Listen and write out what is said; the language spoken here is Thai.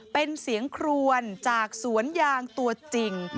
เป็นเสียงครวนจากสวนยางตัวจริง